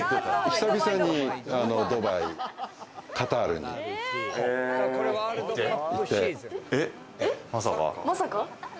久々にドバイ、カタールに行まさか？